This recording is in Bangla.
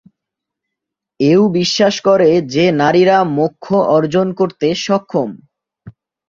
এও বিশ্বাস করে যে নারীরা মোক্ষ অর্জন করতে সক্ষম।